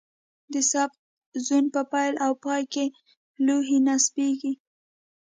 د سبقت زون په پیل او پای کې لوحې نصبیږي